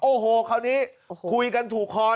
โอ้โหนี้คุยกันถูกคอเลยครับ